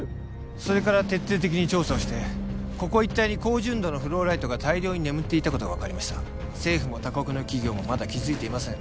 それから徹底的に調査をしてここ一帯に高純度のフローライトが大量に眠っていたことが分かりました政府も他国の企業もまだ気づいていません